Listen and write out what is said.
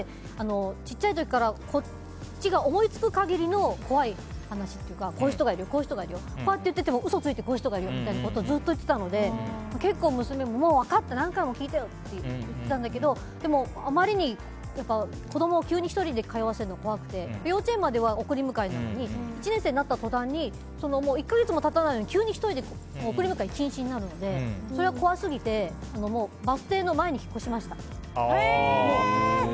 小さい時から、こっちが思いつく限りの怖い話というかこういう人がいるよとかこうやって言っていても嘘ついてくる人いるよってずっと言っていたので結構、娘も、もう分かった何回も聞いたよって言ってたんだけどでも、あまりに子供を急に１人で通わせるのが怖くて幼稚園までは送り迎えなのに１年生になった途端に急に１人で送り迎え禁止になるのでそれが怖すぎてバス停の前に引っ越しました。